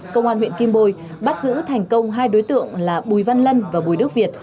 công an huyện kim bôi bắt giữ thành công hai đối tượng là bùi văn lân và bùi đức việt